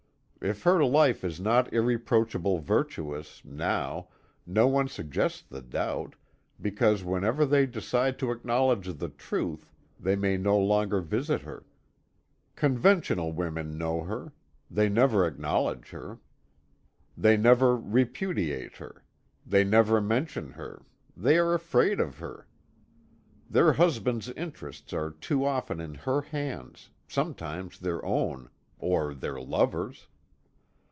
If her life is not irreproachably virtuous, now, no one suggests the doubt, because whenever they decide to acknowledge the truth they may no longer visit her. Conventional women know her. They never acknowledge her. They never repudiate her; they never mention her; they are afraid of her. Their husbands' interests are too often in her hands, sometimes their own or their lovers'.